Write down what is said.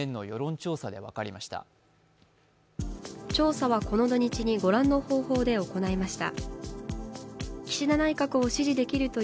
調査はこの土日にご覧の方法で行いました。